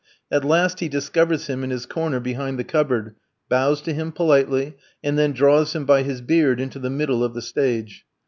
At last he discovers him in his corner behind the cupboard, bows to him politely, and then draws him by his beard into the middle of the stage.